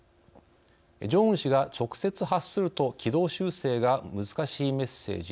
ジョンウン氏が直接発すると軌道修正が難しいメッセージ